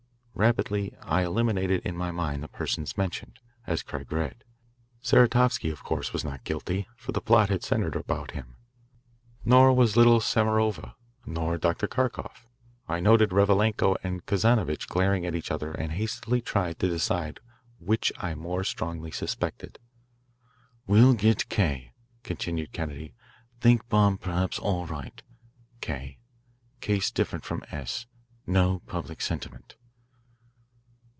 Rapidly I eliminated in my mind the persons mentioned, as Craig read. Saratovsky of course was not guilty, for the plot had centred about him. Nor was little Samarova, nor Dr. Kharkoff. I noted Revalenko and Kazanovitch glaring at each other and hastily tried to decide which I more strongly suspected. "Will get K.," continued Kennedy. "Think bomb perhaps all right. K. case different from S. No public sentiment."